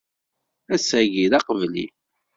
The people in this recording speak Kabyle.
Ass-agi, d aqebli.